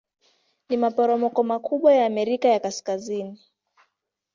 Ni maporomoko makubwa ya Amerika ya Kaskazini.